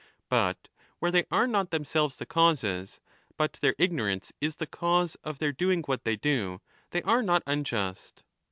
But where they are not themselves the causes, but their ignorance is the cause of their doing what they do, they are not unjust.